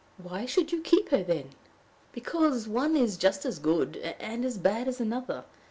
"Why should you keep her, then?" "Because one is just as good and as bad as another.